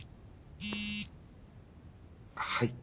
はい。